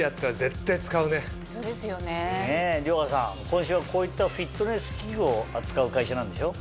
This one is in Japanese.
今週はこういったフィットネス器具を扱う会社なんでしょ？